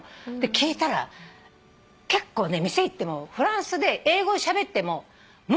聞いたら結構ね店行ってもフランスで英語でしゃべっても無視されるよって聞いて。